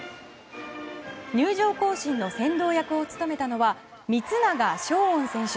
入場行進の先導役を務めたのは光永翔音選手。